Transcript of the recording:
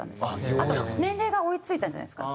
あと年齢が追い付いたんじゃないんですか？